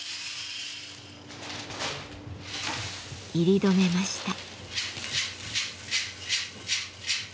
煎り止めました。